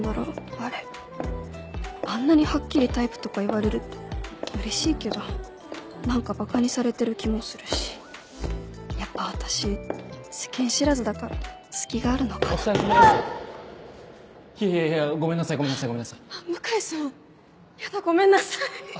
あれあんなにはっきりタイプとか言われるとうれしいけど何かばかにされてる気もするしやっぱ私世間知らずだから隙があるのいやごめんなさいごめんなさい向井さんヤダごめんなさい